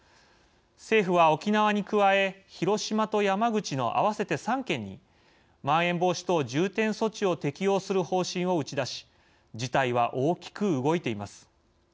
政府は沖縄に加え広島と山口の合わせて３県にまん延防止等重点措置を適用する方針を打ち出し事態は大きく動いています。